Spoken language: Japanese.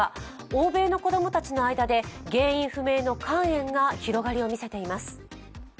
欧米の子供たちの間で原因不明の肝炎が広がりをみせています。